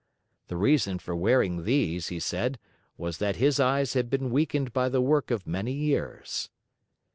The reason for wearing these, he said, was that his eyes had been weakened by the work of many years.